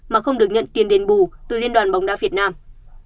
mà không được nhận tiền đền bù từ liên đoàn bóng đá việt nam